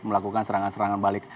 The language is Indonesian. melakukan serangan serangan balik